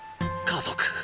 家族。